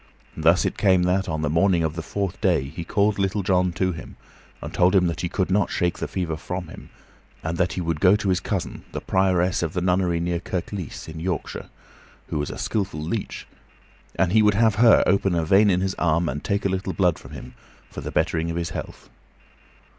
Thus it came that, on the morning of the fourth day, he called Little John to him, and told him that he could not shake the fever from him, and that he would go to his cousin, the prioress of the nunnery near Kirklees, in Yorkshire, who was a skillful leech, and he would have her open a vein in his arm and take a little blood from him, for the bettering of his health.